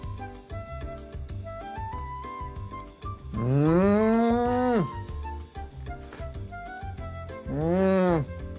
うんうん！